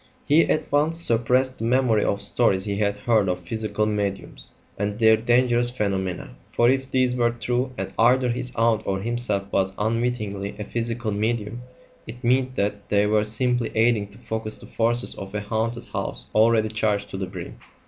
He at once suppressed the memory of stories he had heard of "physical mediums" and their dangerous phenomena; for if these were true, and either his aunt or himself was unwittingly a physical medium, it meant that they were simply aiding to focus the forces of a haunted house already charged to the brim.